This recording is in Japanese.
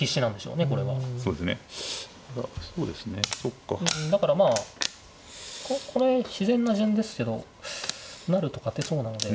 うんだからまあこれ自然な順ですけど成ると勝てそうなので。